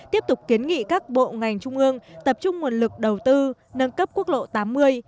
tiếp tục kiến nghị các bộ ngành trung ương tập trung nguồn lực đầu tư nâng cấp quốc lộ tám mươi